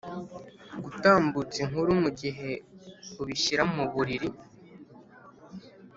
gutambutsa inkuru mugihe ubishyira muburiri